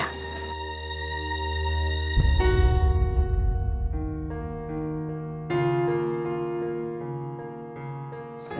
aku sudah berjaya